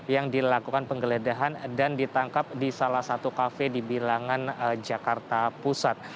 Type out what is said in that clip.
yang dilakukan penggeledahan dan ditangkap di salah satu kafe di bilangan jakarta pusat